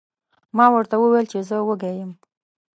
ما ورته وویل چې زه وږی یم.